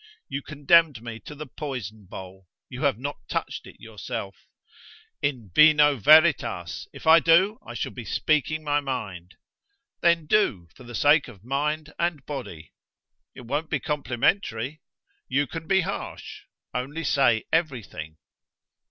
You condemned me to the poison bowl; you have not touched it yourself" "In vino veritas: if I do I shall be speaking my mind." "Then do, for the sake of mind and body." "It won't be complimentary." "You can be harsh. Only say everything."